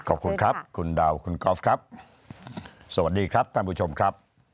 ขอบคุณครับคุณดาวคุณกอล์ฟครับสวัสดีครับท่านผู้ชมครับ